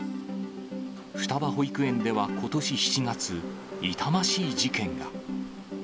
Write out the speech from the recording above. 双葉保育園ではことし７月、痛ましい事件が。